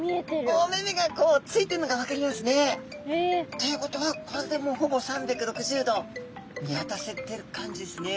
お目々がこうついてるのが分かりますね。ということはこれでもうほぼ３６０度見渡せてる感じですね。